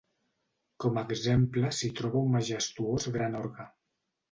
Com a exemple s'hi troba un majestuós gran orgue.